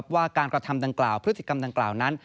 ว่าการกระทำดังกล่าวพฤติกรรมดังกล่าวนั้น